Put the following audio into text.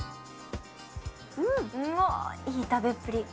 うわっいい食べっぷり。